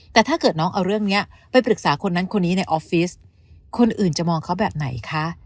แต่ถ้าเกิดน้องเอาเรื่องนี้ไปปรึกษาคนนั้นคนนี้ในออฟฟิศคนอื่นจะมองเขาแบบไหนคะ